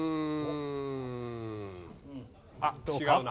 あっ違うな。